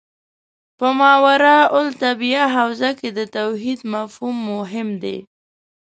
په ماورا الطبیعه حوزه کې د توحید مفهوم مهم دی.